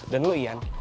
dan lu ian